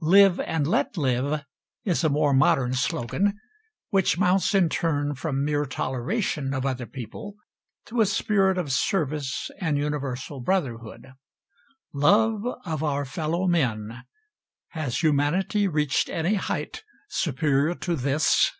"Live and let live" is a more modern slogan, which mounts in turn from mere toleration of other people to a spirit of service and universal brotherhood. Love of our fellow men has humanity reached any height superior to this?